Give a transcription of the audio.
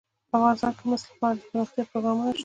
افغانستان کې د مس لپاره دپرمختیا پروګرامونه شته.